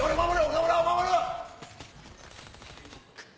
岡村を守る！